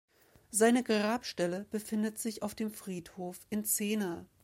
Seine Grabstelle befindet sich auf dem Friedhof in Zehna.